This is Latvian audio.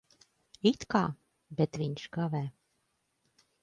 It kā. Bet viņš kavē.